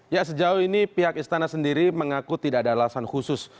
ya sejauh ini pihak istana sendiri mengaku tidak ada alasan khusus